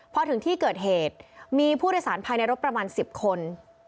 พอถึงที่เกิดเหตุมีผู้โดยสารภายในรถประมาณ๑๐คน